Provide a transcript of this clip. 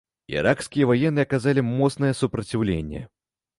Іракскія ваенныя аказалі моцнае супраціўленне.